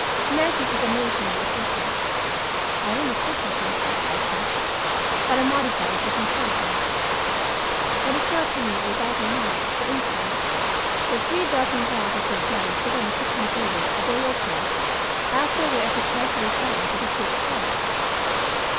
Maggie is amazingly efficient. I am efficient myself, I trust, but I modify it with intelligence. It is not to me a vital matter, for instance, if three dozen glasses of jelly sit on a kitchen table a day or two after they are prepared for retirement to the fruit cellar.